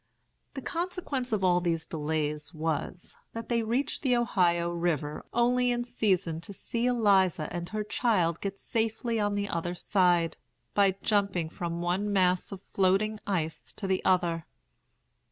[The consequence of all these delays was, that they reached the Ohio River only in season to see Eliza and her child get safely on the other side, by jumping from one mass of floating ice to the other.